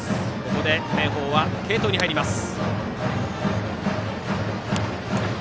ここで明豊は継投に入ります。